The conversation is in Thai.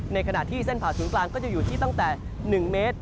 ในขณะที่เส้นผ่าศูนย์กลางก็จะอยู่ที่ตั้งแต่๑เมตร